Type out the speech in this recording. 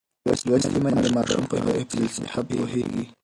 لوستې میندې د ماشوم پر حفظ الصحه پوهېږي.